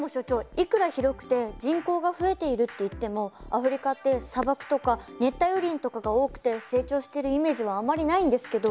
いくら広くて人口が増えているっていってもアフリカって砂漠とか熱帯雨林とかが多くて成長しているイメージはあまりないんですけど。